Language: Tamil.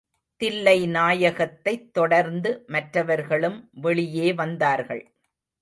தில்லைநாயகத்தைத் தொடர்ந்து மற்றவர்களும் வெளியே வந்தார்கள்.